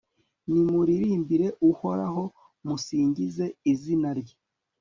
nimuririmbire uhoraho, musingize izina rye